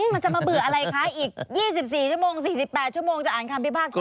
มันจะมาเบื่ออะไรคะอีก๒๔ชั่วโมง๔๘ชั่วโมงจะอ่านคำพิพากษา